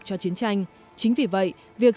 cho chiến tranh chính vì vậy việc